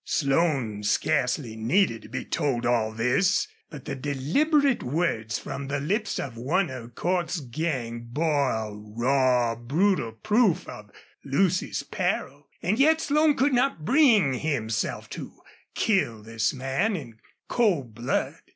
Slone scarcely needed to be told all this, but the deliberate words from the lips of one of Cordts's gang bore a raw, brutal proof of Lucy's peril. And yet Slone could not bring himself to kill this man in cold blood.